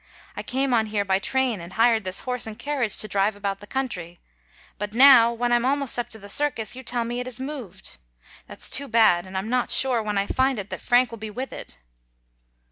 I came on here by train, and hired this horse and carriage to drive about the country. But now, when I am almost up to the circus, you tell me it has moved. That's too bad, and I'm not sure, when I find it, that Frank will be with it."